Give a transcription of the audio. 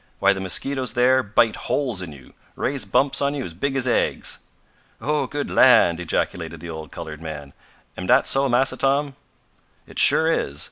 Why the mosquitoes there bite holes in you raise bumps on you as big as eggs." "Oh, good land!" ejaculated the old colored man. "Am dat so Massa Tom?" "It sure is.